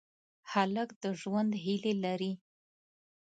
هلک د ژوند هیلې لري.